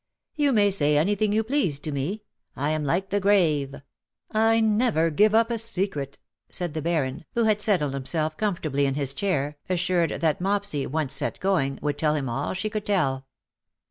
" You may say anything you please to me. I am like the grave. I never give up a secret," said the BaroUj who had settled himself comfortably in his chair, assured that Mopsy, once set going, would tell him all she could tell.